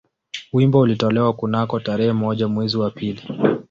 Wimbo ulitolewa kunako tarehe moja mwezi wa pili